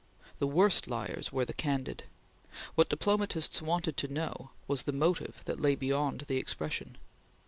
The worst liars were the candid. What diplomatists wanted to know was the motive that lay beyond the expression.